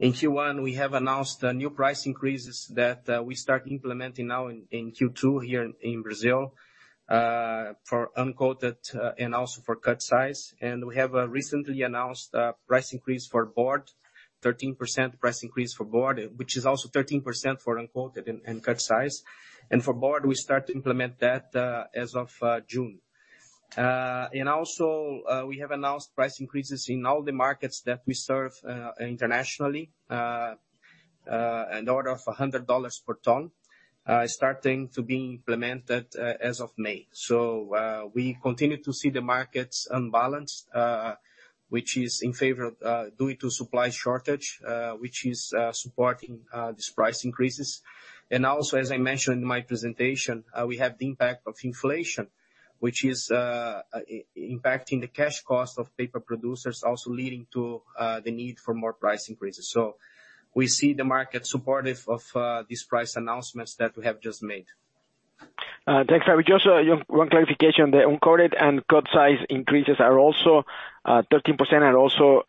In Q1, we have announced the new price increases that we start implementing now in Q2 here in Brazil for uncoated and also for cut size. We have recently announced a price increase for board, 13% price increase for board, which is also 13% for uncoated and cut size. For board, we start to implement that as of June. We have announced price increases in all the markets that we serve, internationally, in order of $100 per ton, starting to be implemented, as of May. we continue to see the markets unbalanced, which is in favor, due to supply shortage, which is supporting these price increases. as I mentioned in my presentation, we have the impact of inflation, which is impacting the cash cost of paper producers, also leading to the need for more price increases. we see the market supportive of these price announcements that we have just made. Thanks, Fabio. Just one clarification, the Uncoated and Cut Size increases are also 13% and also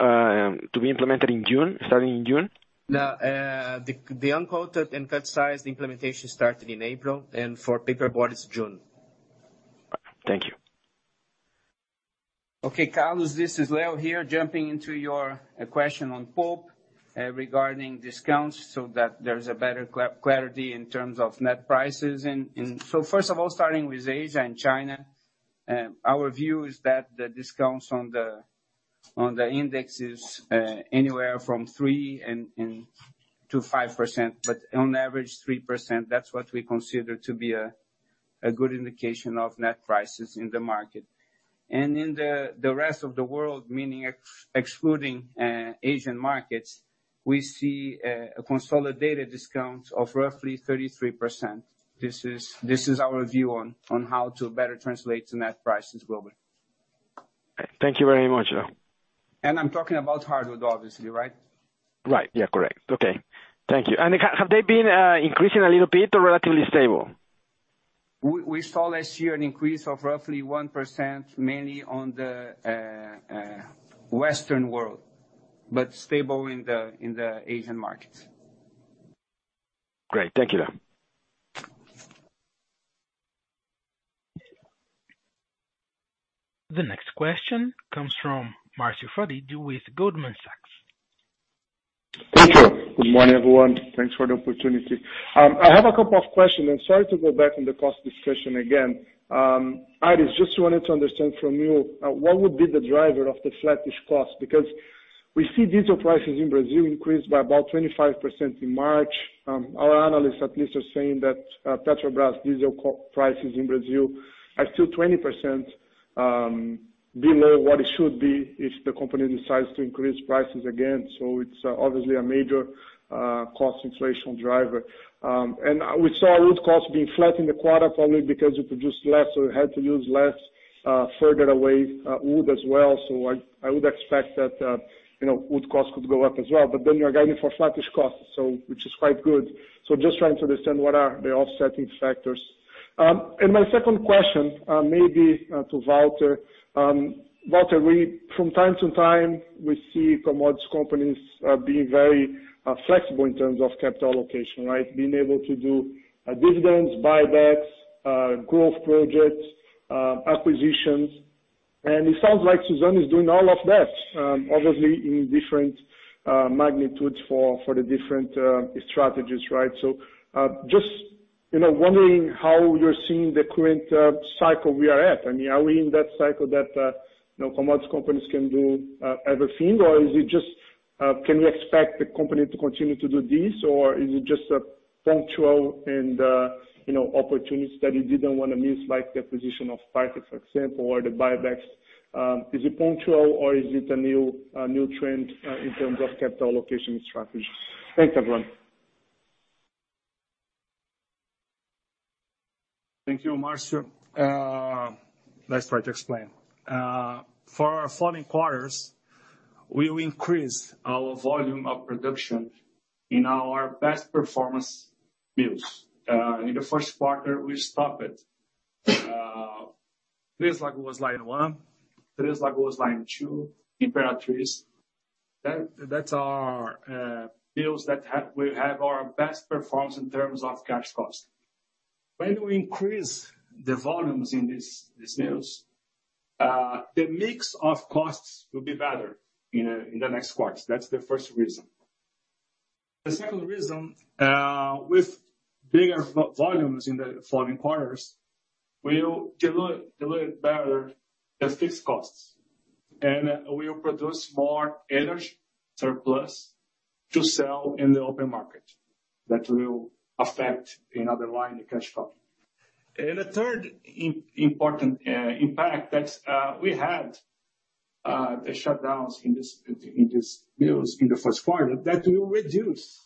to be implemented in June, starting in June? No. The Uncoated and Cut Size implementation started in April, and for paperboard it's June. Thank you. Okay, Carlos, this is Leo here. Jumping into your question on pulp, regarding discounts so that there's a better clarity in terms of net prices. First of all, starting with Asia and China, our view is that the discounts on the index is anywhere from 3%-5%, but on average 3%. That's what we consider to be a good indication of net prices in the market. In the rest of the world, meaning excluding Asian markets, we see a consolidated discount of roughly 33%. This is our view on how to better translate to net prices globally. Thank you very much, Leo. I'm talking about hardwood, obviously, right? Right. Yeah, correct. Okay, thank you. Have they been increasing a little bit or relatively stable? We saw last year an increase of roughly 1%, mainly on the Western world, but stable in the Asian markets. Great. Thank you, Leo. The next question comes from Marcio Farid with Goldman Sachs. Thank you. Good morning, everyone. Thanks for the opportunity. I have a couple of questions, and sorry to go back on the cost discussion again. Aires, just wanted to understand from you, what would be the driver of the flattish cost? Because we see diesel prices in Brazil increased by about 25% in March. Our analysts at least are saying that, Petrobras diesel prices in Brazil are still 20%, below what it should be if the company decides to increase prices again. It's obviously a major cost inflation driver. We saw wood costs being flat in the quarter, probably because you produced less, so you had to use less, further away, wood as well. I would expect that, you know, wood cost could go up as well. You're guiding for flattish costs, so which is quite good. Just trying to understand what are the offsetting factors. And my second question, maybe, to Walter. Walter, from time to time, we see commodities companies being very flexible in terms of capital allocation, right? Being able to do dividends, buybacks, growth projects, acquisitions. It sounds like Suzano is doing all of that, obviously in different magnitudes for the different strategies, right? Just, you know, wondering how you're seeing the current cycle we are at. I mean, are we in that cycle that you know, commodities companies can do everything? Is it just can we expect the company to continue to do this? Is it just a punctual and, you know, opportunities that you didn't wanna miss, like the acquisition of fiber, for example, or the buybacks? Is it punctual or is it a new trend, in terms of capital allocation strategy? Thanks, everyone. Thank you, Marcio. Let's try to explain. For our following quarters, we will increase our volume of production in our best performance mills. In the first quarter we stopped Três Lagoas line one, Três Lagoas line two, Imperatriz. That's our mills that we have our best performance in terms of cash cost. When we increase the volumes in these mills, the mix of costs will be better in the next quarters. That's the first reason. The second reason, with bigger volumes in the following quarters, we'll dilute better the fixed costs, and we'll produce more energy surplus to sell in the open market. That will affect in other line, the cash flow. The third important impact that we had, the shutdowns in these mills in the first quarter, that will reduce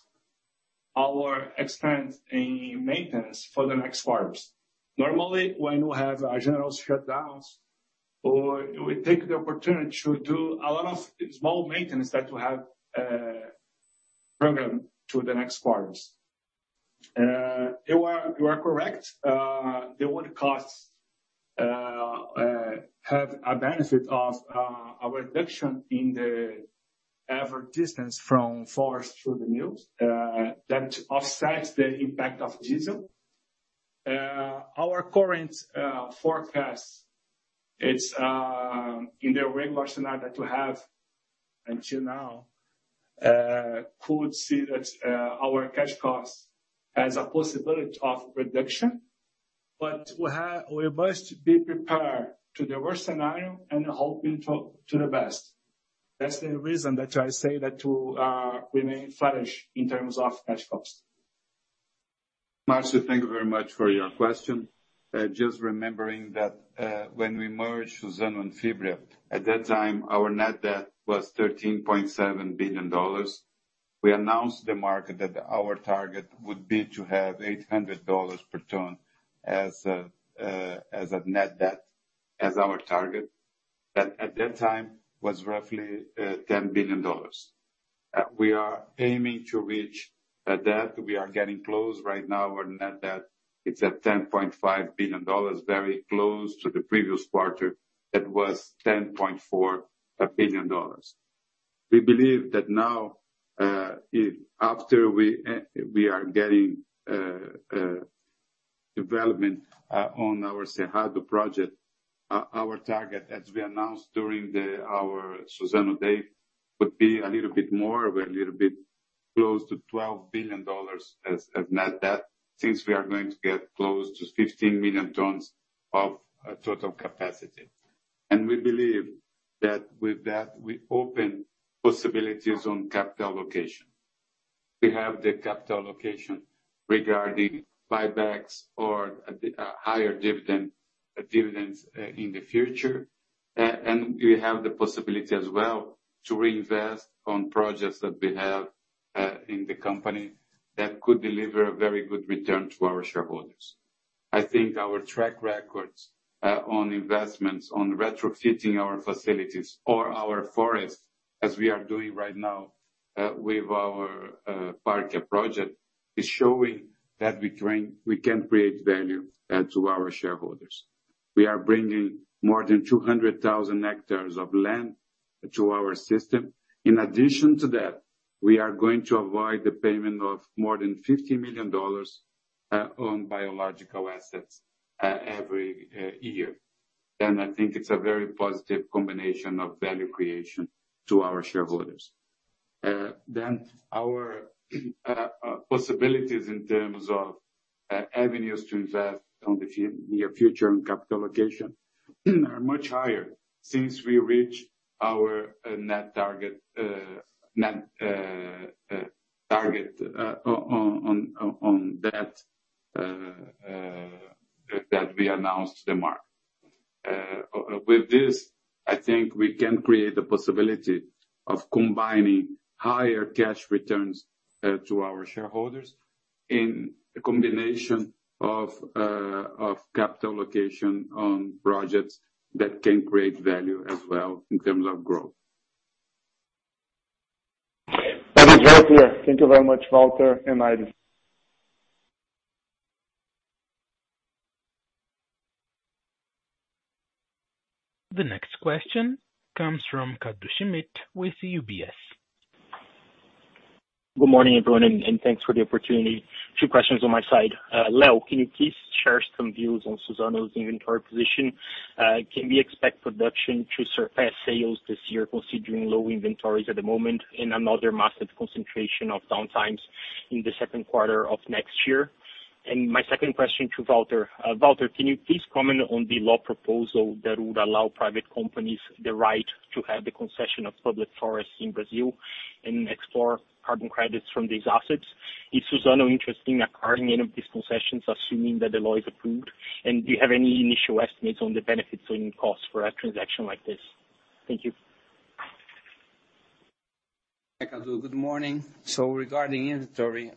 our expense in maintenance for the next quarters. Normally, when you have general shutdowns, we take the opportunity to do a lot of small maintenance that will have program to the next quarters. You are correct. The wood costs have benefited from our reduction in the average distance from forests to the mills, that offsets the impact of diesel. Our current forecast is in the range that we have until now. We could see that our cash costs have a possibility of reduction. But we must be prepared for the worst scenario and hoping for the best. That's the reason that I say that to remain the lowest in terms of cash costs. Marcio, thank you very much for your question. Just remembering that, when we merged Suzano and Fibria, at that time, our net debt was $13.7 billion. We announced the market that our target would be to have $800 per ton as a, as a net debt as our target. That at that time was roughly, $10 billion. We are aiming to reach a debt. We are getting close right now. Our net debt, it's at $10.5 billion, very close to the previous quarter. That was $10.4 billion. We believe that now, if after we are getting development on our Cerrado project, our target, as we announced during our Suzano Day, would be a little bit more. We're a little bit close to $12 billion as net debt since we are going to get close to 15 million tons of total capacity. We believe that with that we open possibilities on capital allocation. We have the capital allocation regarding buybacks or higher dividends in the future. We have the possibility as well to reinvest on projects that we have in the company that could deliver a very good return to our shareholders. I think our track records on investments, on retrofitting our facilities or our forests, as we are doing right now, with our Parkia project, is showing that we can create value to our shareholders. We are bringing more than 200,000 hectares of land to our system. In addition to that, we are going to avoid the payment of more than $50 million on biological assets every year. I think it's a very positive combination of value creation to our shareholders. Our possibilities in terms of avenues to invest in the near future on capital allocation are much higher since we reach our net target on debt that we announced to the market. With this, I think we can create the possibility of combining higher cash returns to our shareholders in a combination of capital allocation on projects that can create value as well in terms of growth. That is all clear. Thank you very much, Walter Schalka and Aires Galhardo. The next question comes from Carlos De Luca with UBS. Good morning, everyone, and thanks for the opportunity. Two questions on my side. Leo, can you please share some views on Suzano's inventory position? Can we expect production to surpass sales this year considering low inventories at the moment and another massive concentration of downtimes in the second quarter of next year? My second question to Walter. Walter, can you please comment on the law proposal that would allow private companies the right to have the concession of public forests in Brazil and explore carbon credits from these assets? Is Suzano interested in acquiring any of these concessions, assuming that the law is approved? Do you have any initial estimates on the benefits and costs for a transaction like this? Thank you. Carlos De Luca, good morning. Regarding inventory,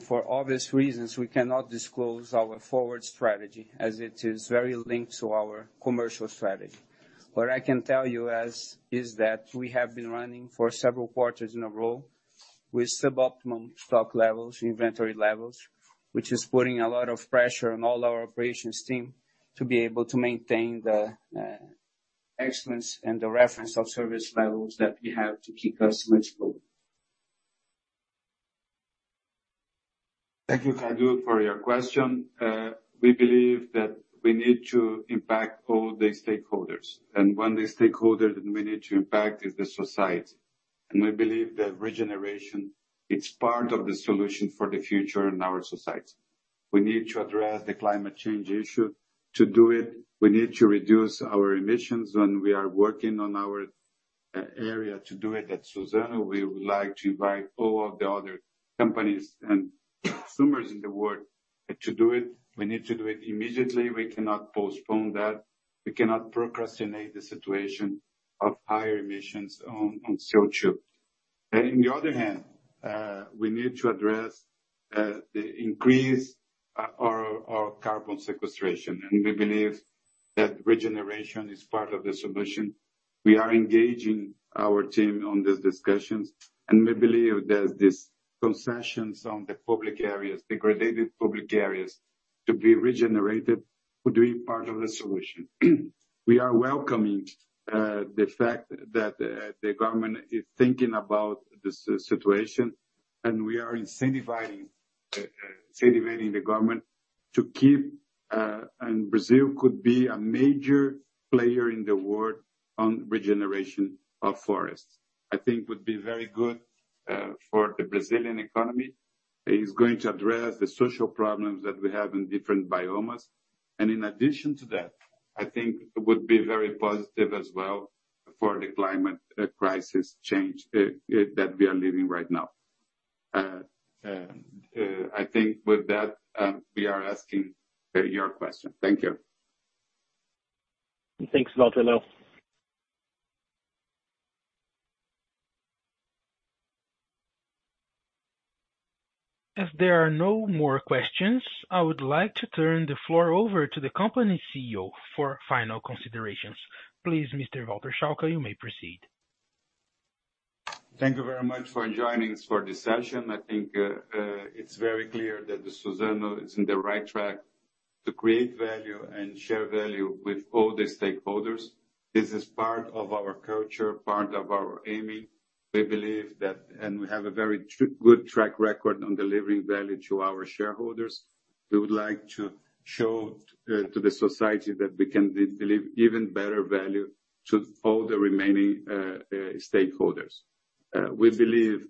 for obvious reasons, we cannot disclose our forward strategy as it is very linked to our commercial strategy. What I can tell you is, that we have been running for several quarters in a row with suboptimal stock levels, inventory levels, which is putting a lot of pressure on all our operations team to be able to maintain the excellence and the reference of service levels that we have to keep customers growing. Thank you, Carlos De Luca, for your question. We believe that we need to impact all the stakeholders, and one of the stakeholders that we need to impact is the society. We believe that regeneration, it's part of the solution for the future in our society. We need to address the climate change issue. To do it, we need to reduce our emissions, and we are working on our area to do it at Suzano. We would like to invite all of the other companies and consumers in the world. To do it, we need to do it immediately. We cannot postpone that. We cannot procrastinate the situation of higher emissions on CO2. On the other hand, we need to address the increase our carbon sequestration, and we believe that regeneration is part of the solution. We are engaging our team on these discussions, and we believe that these concessions on the public areas, the degraded public areas to be regenerated, will be part of the solution. We are welcoming the fact that the government is thinking about this situation, and we are incentivizing the government to keep. Brazil could be a major player in the world on regeneration of forests. I think would be very good for the Brazilian economy. It is going to address the social problems that we have in different biomes. In addition to that, I think it would be very positive as well for the climate change crisis that we are living right now. I think with that answers your question. Thank you. Thanks, Walter, Leo. If there are no more questions, I would like to turn the floor over to the company CEO for final considerations. Please, Mr. Walter Schalka, you may proceed. Thank you very much for joining us for this session. I think, it's very clear that the Suzano is in the right track to create value and share value with all the stakeholders. This is part of our culture, part of our aiming. We believe that we have a very good track record on delivering value to our shareholders. We would like to show to the society that we can deliver even better value to all the remaining stakeholders. We believe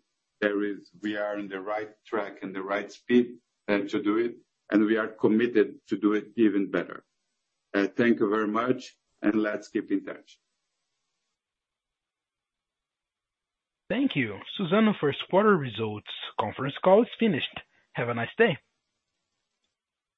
we are in the right track and the right speed to do it, and we are committed to do it even better. Thank you very much, and let's keep in touch. Thank you. Suzano first quarter results conference call is finished. Have a nice day.